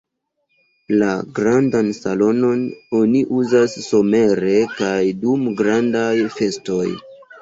La grandan salonon oni uzas somere kaj dum grandaj festoj.